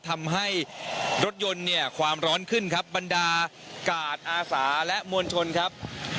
ทำให้รถยนต์เนี่ยความร้อนขึ้นครับบรรดากาดอาสาและมวลชนครับ